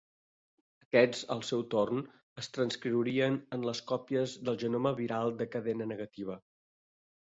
Aquests al seu torn es transcriuen en les còpies del genoma viral de cadena negativa.